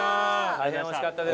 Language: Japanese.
大変美味しかったです。